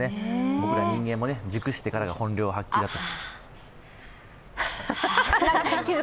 僕ら人間も熟してからが本領発揮だと。